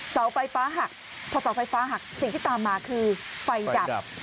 เสาไฟฟ้าหักพอเสาไฟฟ้าหักสิ่งที่ตามมาคือไฟดับ